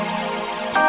gagang dapet ae